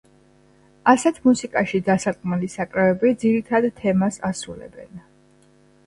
ასეთ მუსიკაში დასარტყმელი საკრავები ძირითად თემას ასრულებენ.